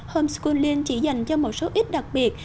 homeschooling chỉ dành cho một số ít đặc biệt